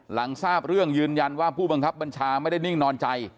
หลังทราบเรื่องยืนยันว่าผู้บังคับบัญชาไม่ได้นิ่งนอนใจ